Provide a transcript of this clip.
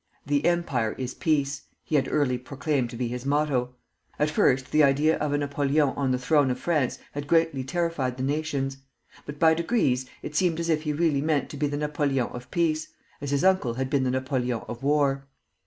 "The Empire is peace," he had early proclaimed to be his motto. At first the idea of a Napoleon on the throne of France had greatly terrified the nations; but by degrees it seemed as if he really meant to be the Napoleon of Peace, as his uncle had been the Napoleon of War.